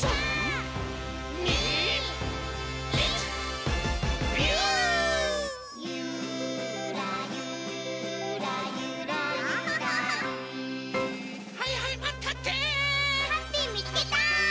ハッピーみつけた！